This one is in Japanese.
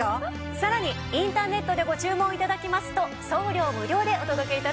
さらにインターネットでご注文頂きますと送料無料でお届け致します。